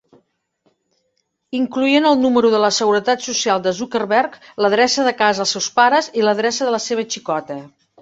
Incloïen el número de la Seguretat Social de Zuckerberg, l'adreça de casa els seus pares i l'adreça de la seva xicota.